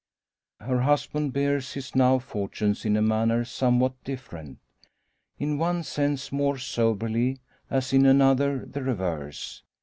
Her husband bears his new fortunes in a manner somewhat different; in one sense more soberly, as in another the reverse.